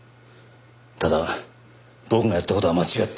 ただ僕がやった事は間違っていない。